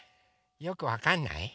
よくわかんない？